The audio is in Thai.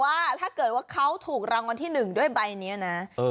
ว่าถ้าเกิดว่าเขาถูกรางวัลที่๑ด้วยใบนี้นะ